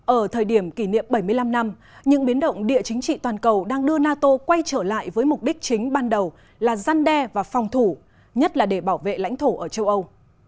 ở thời điểm kỷ niệm bảy mươi năm năm những biến động địa chính trị toàn cầu đang đưa nato quay trở lại với mục đích chính ban đầu là răn đe và phòng thủ nhất là để bảo vệ lãnh thổ ở châu âu